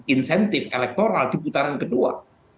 insentif elektoral di putaran kedua